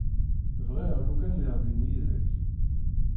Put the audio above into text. Bɣiɣ lukan lliɣ din yid-k.